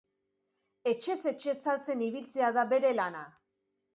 Etxez etxe saltzen ibiltzea da bere lana